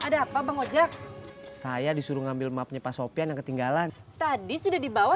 ada apa bang ojek saya disuruh ngambil mapnya pak sopian yang ketinggalan tadi sudah dibawa